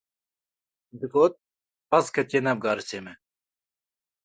Digot: pez ketiye nav garisê me